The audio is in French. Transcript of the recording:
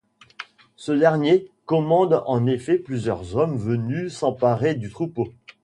Ce dernier commande en effet plusieurs hommes venus s'emparer du troupeau.